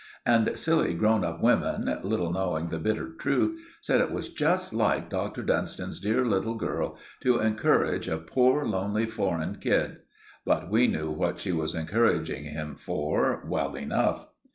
And silly grown up women, little knowing the bitter truth, said it was just like Dr. Dunstan's dear little girl to encourage a poor lonely foreign kid; but we knew what she was encouraging him for well enough.